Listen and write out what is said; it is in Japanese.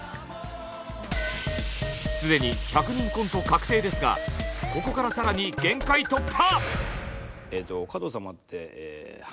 すでに１００人コント確定ですがここから更に限界突破！